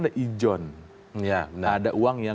ada ijon nah ada uangnya